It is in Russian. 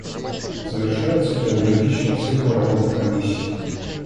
Завершается трехгодичный цикл работы Комиссии.